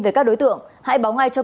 về các đối tượng hãy báo ngay cho